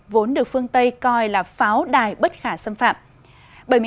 vốn được phương tây coi là pháo đài bất khả xâm phạm